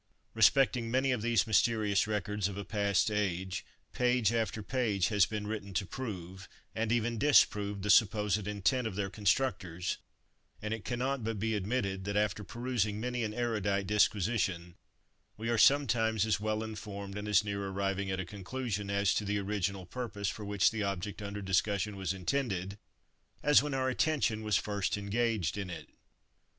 Respecting many of these mysterious records of a past age, page after page has been written to prove, and even disprove, the supposed intent of their constructors; and it cannot but be admitted that after perusing many an erudite disquisition, we are sometimes as well informed, and as near arriving at a conclusion as to the original purpose for which the object under discussion was intended, as when our attention was first engaged in it.